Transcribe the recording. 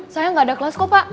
saya nggak ada kelas kok pak